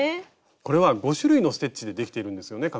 これは５種類のステッチでできているんですよね？